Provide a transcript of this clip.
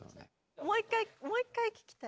もう一回もう一回聴きたい！